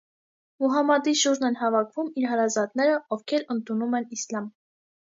Մուհամմադի շուրջն են հավաքվում իր հարազատները, ովքեր ընդունում են իսլամ։